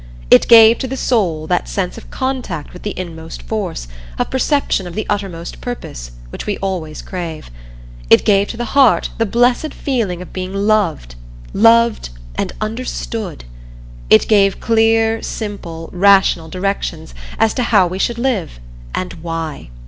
It gave to the "soul" that sense of contact with the inmost force, of perception of the uttermost purpose, which we always crave. It gave to the "heart" the blessed feeling of being loved, loved and understood. It gave clear, simple, rational directions as to how we should live and why.